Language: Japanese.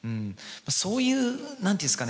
そういう何て言うんですかね